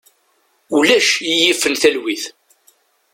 Ulac i yifen talwit.